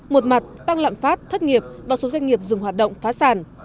một mặt tăng lạm phát thất nghiệp và số doanh nghiệp dừng hoạt động phá sản